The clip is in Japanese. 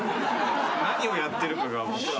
何をやってるかが僕ら。